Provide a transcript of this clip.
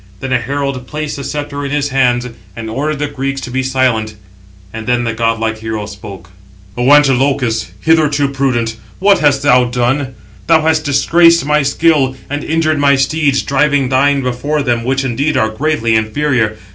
Then a herald placed the sceptre in his hands, and ordered the Greeks to be silent; and then the godlike hero spoke: "O Antilochus, hitherto prudent, what hast thou done? Thou hast disgraced my skill, and injured my steeds, driving thine before them, which indeed are greatly inferior.